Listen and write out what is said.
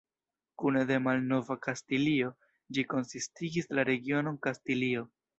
Kune de Malnova Kastilio, ĝi konsistigis la regionon Kastilio.